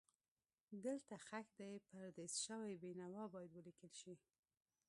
دلته ښخ دی پردیس شوی بېنوا باید ولیکل شي.